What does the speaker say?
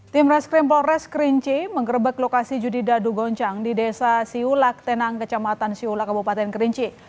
tim reskrim polres kerinci mengerebek lokasi judi dadu goncang di desa siulak tenang kecamatan siula kabupaten kerinci